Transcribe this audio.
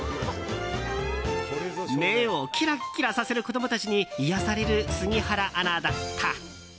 目をキラッキラさせる子供たちに癒やされる杉原アナだった。